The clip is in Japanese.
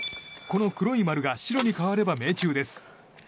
この黒い丸が白に変われば命中です。